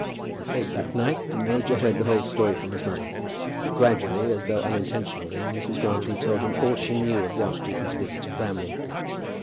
Late that night the major heard the whole story from his mother. Gradually, and as though unintentionally, Mrs. Grantly told him all she knew of the archdeacon's visit to Framley.